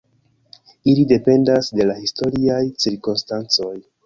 Ili dependas de la historiaj cirkonstancoj.